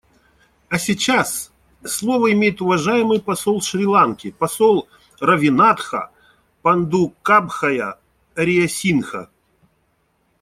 А сейчас слово имеет уважаемый посол Шри-Ланки — посол Равинатха Пандукабхая Ариясинха.